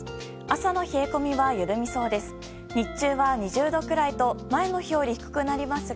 朝の冷え込みは緩みそうです。